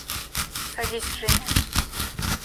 – Садись, Женя.